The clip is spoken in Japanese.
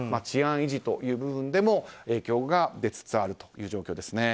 治安維持という部分でも影響が出つつあるという状況です。